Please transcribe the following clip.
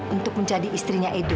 untuk menjadi istrinya edo